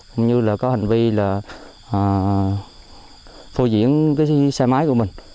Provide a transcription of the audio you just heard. cũng như là có hành vi là phô diễn cái xe máy của mình